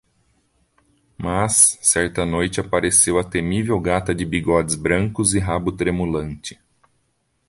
Mas certa noite apareceu a temível gata de bigodes brancos e rabo tremulante